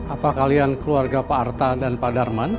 apa kalian keluarga pak arta dan pak darman